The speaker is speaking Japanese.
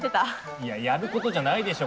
いやいややることじゃないでしょ